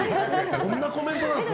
どんなコメントですか。